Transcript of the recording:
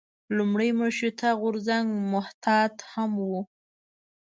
لومړی مشروطیه غورځنګ محتاط هم و.